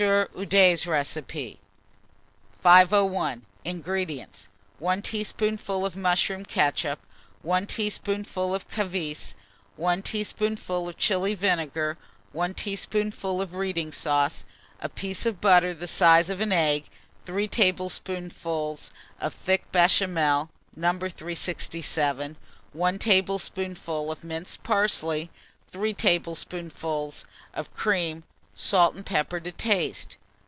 Ude's Recipe_. 501. INGREDIENTS. 1 teaspoonful of mushroom ketchup, 1 teaspoonful of cavice, 1 teaspoonful of Chili vinegar, 1 teaspoonful of Reading sauce, a piece of butter the size of an egg, 3 tablespoonfuls of thick Béchamel, No. 367, 1 tablespoonful of minced parsley, 3 tablespoonfuls of cream; salt and pepper to taste.